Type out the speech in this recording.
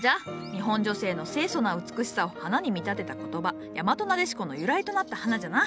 日本女性の清楚な美しさを花に見立てた言葉大和撫子の由来となった花じゃな。